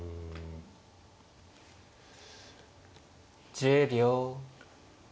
１０秒。